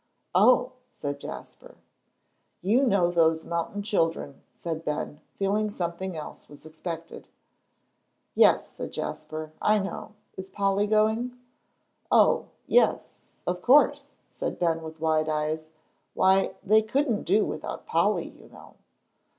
"Oh!" said Jasper. "You know those mountain children," said Ben, feeling something else was expected. "Yes," said Jasper, "I know. Is Polly going?" "Oh, yes, of course," said Ben, with wide eyes. "Why, they couldn't do without Polly, you know."